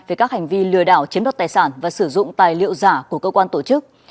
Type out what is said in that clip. về các hành vi lừa đảo chiếm đoạt tài sản và sử dụng tài liệu giả của cơ quan tổ chức